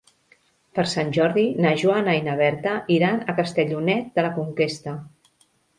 Per Sant Jordi na Joana i na Berta iran a Castellonet de la Conquesta.